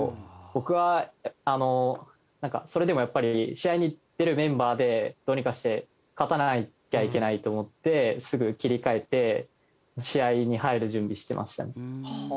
僕はそれでもやっぱり試合に出るメンバーでどうにかして勝たなきゃいけないと思ってすぐ切り替えて試合に入る準備してましたね。